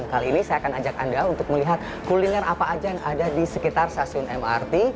kali ini saya akan ajak anda untuk melihat kuliner apa aja yang ada di sekitar stasiun mrt